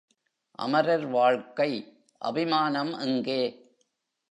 அமரர் வாழ்க்கைஅபி மானம்எங்கே?